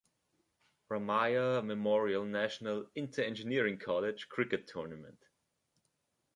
Ramaiah memorial national inter-engineering college cricket tournament.